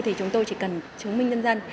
thì chúng tôi chỉ cần chứng minh nhân dân